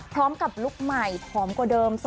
พร้อมกับลูกใหม่